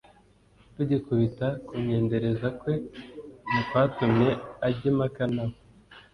rugikubita kumwendereza kwe ntikwatumye ajya impaka na we.